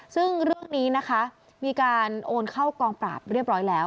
ซึ่งเรื่องนี้นะคะมีการโอนเข้ากองปราบเรียบร้อยแล้ว